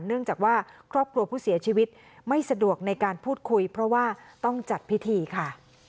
เนื่องจากว่าครอบครัวผู้เสียชีวิตไม่สะดวกในการพูดคุยเพราะว่าต้องจัดพิธีค่ะ